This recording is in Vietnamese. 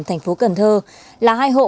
thành phố cần thơ là hai hộ